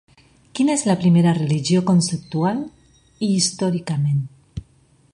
Quina és la primera religió conceptual i històricament?